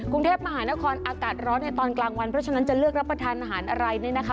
กรุงเทพมหาวิทยาลัยกรณครอดภัยอากาศร้อนในตอนกลางวันเพราะฉะนั้นจะเลือกรับประทานมากล่ะ